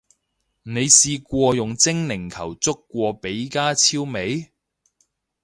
你試過用精靈球捉過比加超未？